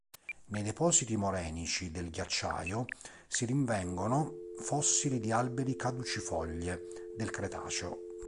Nei depositi morenici del ghiacciaio si rinvengono fossili di alberi caducifoglie del Cretaceo.